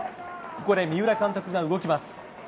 ここで三浦監督が動きます。